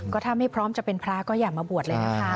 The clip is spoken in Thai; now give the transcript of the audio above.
ก็ถ้าไม่พร้อมจะเป็นพระก็อย่ามาบวชเลยนะคะ